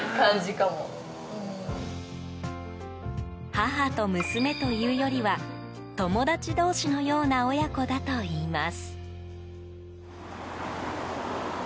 母と娘というよりは友達同士のような親子だといいます。